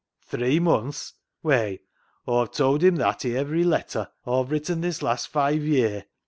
Three munths ? Whey, Aw've towd him that i' ivery letter Aw've written this last five ye'r.